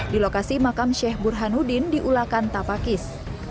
di lokasi makam sheikh burhanuddin diulakan tapakis